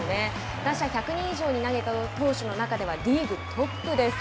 打者１００人以上に投げた投手の中ではリーグトップです。